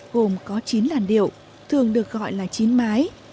gồm có chín làn điệu thường được gọi là chín mái